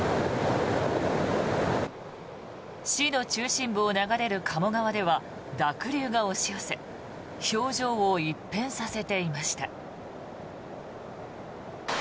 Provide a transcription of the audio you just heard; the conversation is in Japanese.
市の中心部を流れる鴨川では濁流が押し寄せ表情を一変させていました。